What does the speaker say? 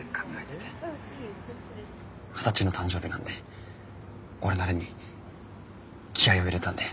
二十歳の誕生日なんで俺なりに気合いを入れたんで。